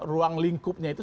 ruang lingkupnya itu